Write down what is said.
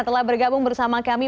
telah diperlukan oleh pemko solo